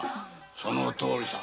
そのとおりさ。